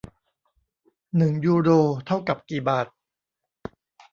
หนึ่งยูโรเท่ากับกี่บาท